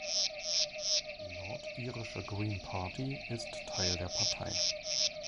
Die nordirische Green Party ist Teil der Partei.